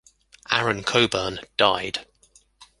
Aaron Coburn, died.